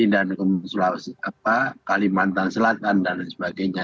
dan kemudian sulawesi kalimantan selatan dan sebagainya